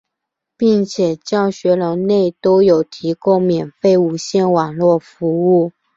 并且教学楼内都有提供免费无线网络服务。